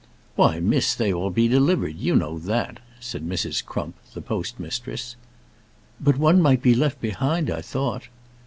"Why, miss, they be all delivered; you know that," said Mrs. Crump, the post mistress. "But one might be left behind, I thought."